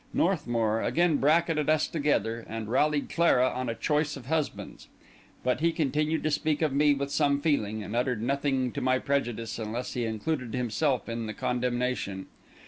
Northmour again bracketed us together, and rallied Clara on a choice of husbands; but he continued to speak of me with some feeling, and uttered nothing to my prejudice unless he included himself in the condemnation.